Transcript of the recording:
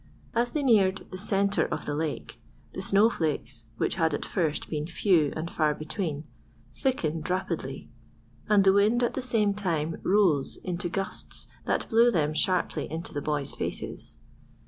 As they neared the centre of the lake, the snow flakes, which had at first been few and far between, thickened rapidly, and the wind at the same time rose into gusts that blew them sharply into the boys' faces.